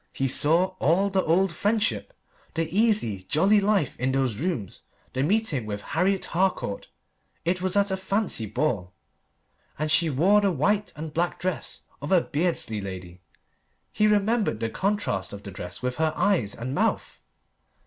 He saw all the old friendship: the easy, jolly life in those rooms, the meeting with Harriet Harcourt it was at a fancy ball, and she wore the white and black dress of a Beardsley lady; he remembered the contrast of the dress with her eyes and mouth.